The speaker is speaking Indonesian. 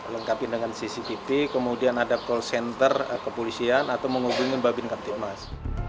lengkapi dengan cctv kemudian ada call center kepolisian atau menghubungi mbak bin kamtipmas